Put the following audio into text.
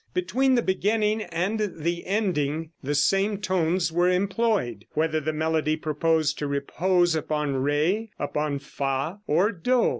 Between the beginning and the ending the same tones were employed, whether the melody proposed to repose upon re, upon fa or do.